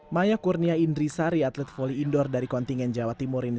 maya kurnia indrisari atlet volley indoor dari kontingen jawa timur ini